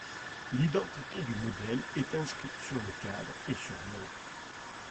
L'identité du modèle est inscrite sur le cadre et sur l'œuvre.